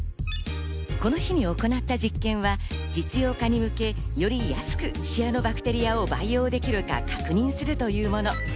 この日に行った実験は、実用化に向け、より安くシアノバクテリアを培養できるか確認するというもの。